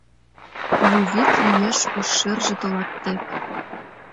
Ю вӱд лиеш ош шӧржӧ тылат тек.